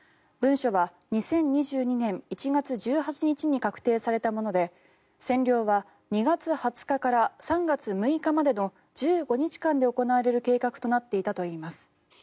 文書は２０２２年１月１８日に確定されたもので占領は２月２０日から３月６日までの１５日間で行われる計画となっていたといいます。